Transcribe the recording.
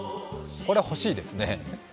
これ欲しいですね。